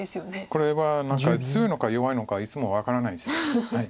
これは何か強いのか弱いのかいつも分からないんです。